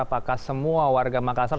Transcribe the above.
apakah semua warga makassar